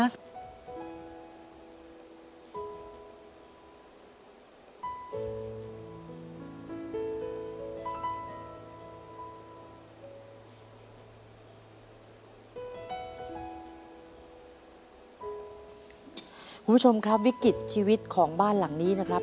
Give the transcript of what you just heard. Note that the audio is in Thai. คุณผู้ชมครับวิกฤตชีวิตของบ้านหลังนี้นะครับ